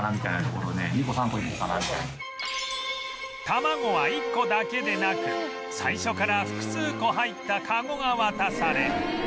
卵は１個だけでなく最初から複数個入ったカゴが渡され